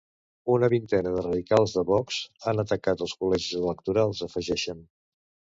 Una vintena de radicals de Vox han atacat els col·legis electorals, afegeixen.